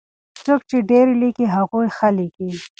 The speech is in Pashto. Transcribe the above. څوک چې ډېر ليکي هغوی ښه ليکي.